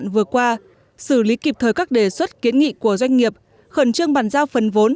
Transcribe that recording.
và xử lý kịp thời các đề xuất kiến nghị của doanh nghiệp khẩn trương bàn giao phần vốn